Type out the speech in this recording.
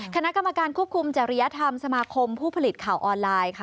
คณะกรรมการควบคุมจริยธรรมสมาคมผู้ผลิตข่าวออนไลน์ค่ะ